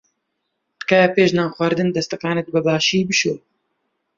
تکایە پێش نان خواردن دەستەکانت بەباشی بشۆ.